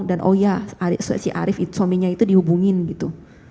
dan oh ya si arief suaminya itu dihubungin gitu